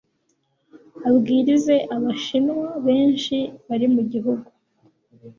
abwirize abashinwa benshi bari mu gihugu